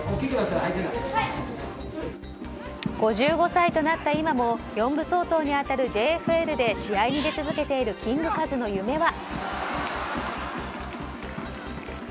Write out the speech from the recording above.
５５歳となった今も４部相当に当たるＪＦＬで試合に出続けているキングカズの夢は。